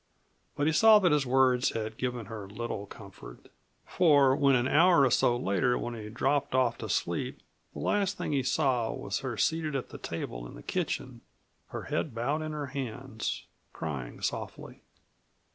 But he saw that his words had given her little comfort, for when an hour or so later he dropped off to sleep the last thing he saw was her seated at the table in the kitchen, her head bowed in her hands, crying softly.